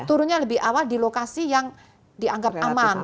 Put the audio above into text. turunnya lebih awal di lokasi yang dianggap aman